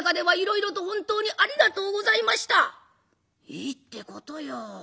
「いいってことよ。